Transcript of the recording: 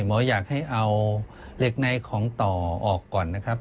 หมออยากให้เอาเหล็กในของต่อออกก่อนนะครับ